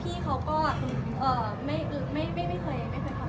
พี่เขาก็ไม่เคยทำอะไรเรา